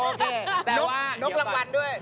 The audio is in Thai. โอเคนกรางวัลด้วย